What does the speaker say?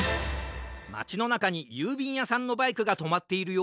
まちのなかにゆうびんやさんのバイクがとまっているよ。